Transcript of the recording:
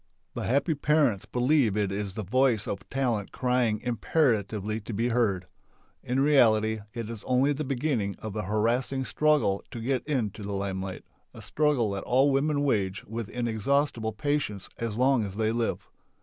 The happy parents believe it is the voice of talent crying imperatively to be heard. In reality it is only the beginning of a harassing struggle to get into the lime light, a struggle that all women wage with in exhaustible patience as long as they live.